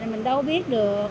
mình đâu biết được